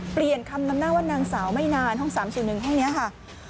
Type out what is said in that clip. เปลี่ยนคำนำหน้าว่านางสาวไม่นานห้อง๓๔๑ห้องนี้ค่ะ